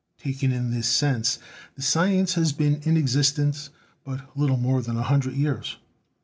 Taken in this sense, the science has been in existence but little more than a hundred years.